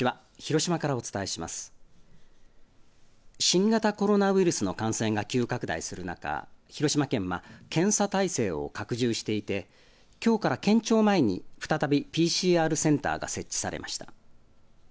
新型コロナウイルスの感染が急拡大する中、広島県は検査体制を拡充していてきょうから県庁前に再びＰＣＲセンターが設置されました。